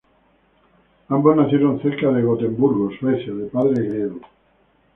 Ambos nacieron cerca de Gotemburgo, Suecia, de padres griegos.